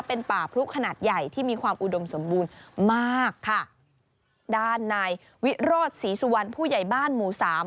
เป็นป่าพลุขนาดใหญ่ที่มีความอุดมสมบูรณ์มากค่ะด้านนายวิโรธศรีสุวรรณผู้ใหญ่บ้านหมู่สาม